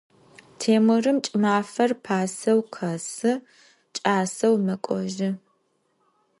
Têmırım ç'ımafer paseu khesı, ç'aseu mek'ojı.